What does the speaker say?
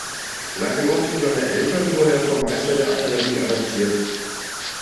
Nach dem Umzug seiner Eltern wurde er vom Meister der Akademie adoptiert.